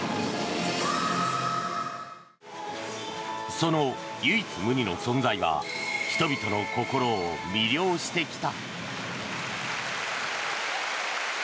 その唯一無二の存在は人々の心を魅了してきた。